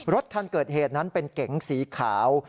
รถคันเกิดเหตุนั้นเป็นเก๋งสีขาว